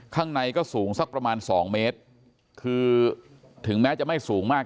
ข้างในก็สูงสักประมาณสองเมตรคือถึงแม้จะไม่สูงมาก